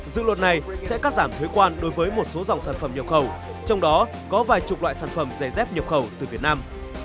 dự luật này sẽ cắt giảm thuế quan đối với một số dòng sản phẩm nhập khẩu trong đó có vài chục loại sản phẩm dày dép nhập khẩu từ việt nam